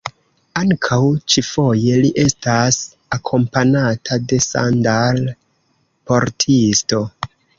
Ankaŭ ĉifoje, li estas akompanata de sandal-portisto.